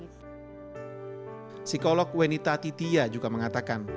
psikolog wenita titia juga mengatakan